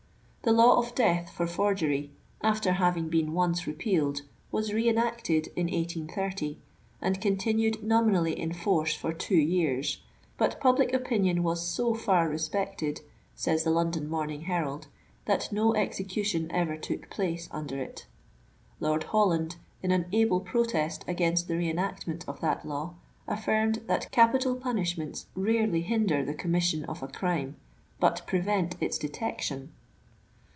The law of death for forgery, after having heen once repealed, was re enacted in 1830, and continued nominally in force for two years ; but '* public opinion was so far respected," says the London Morning Herald, '* that no execution ever took place under it." Lord Holland, in an able protest against the re enactment of that law, affirmed that capital punishments rarely hinder the commission of a crimOf but prevent its detection.